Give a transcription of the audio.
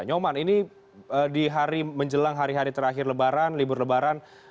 nyoman ini di hari menjelang hari hari terakhir lebaran libur lebaran